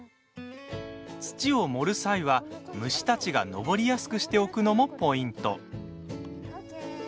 土を盛る際は虫たちが登りやすくしておくのもポイント。